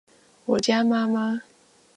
我家媽媽